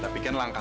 ya allah al